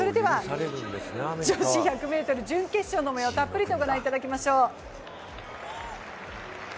女子１００ｍ準決勝のもよう、たっぷりと御覧いただきましょう。